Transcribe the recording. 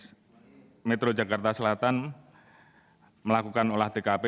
karena pores metro jakarta selatan melakukan olah tkp